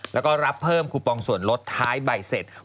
แล้วก็รับเพิ่มคูปองส่วนลดท้ายใบเสร็จ